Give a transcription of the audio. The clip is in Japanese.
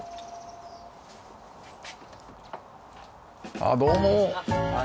あっどうも。